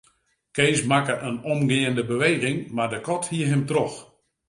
Kees makke in omgeande beweging, mar de kat hie him troch.